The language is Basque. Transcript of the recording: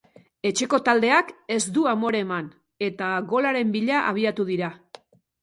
Etxeko taldeak ez du amore eman, eta golaren bila abiatu dira.